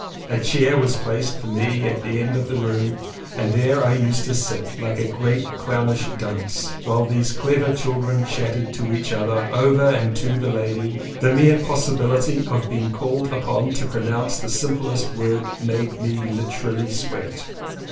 A chair was placed for me at the end of the room and there I used to sit — like a great clownish dunce — while these clever children chattered to each other and to the lady. The mere possibility of being called upon to pronounce the simplest word made me literally sweat.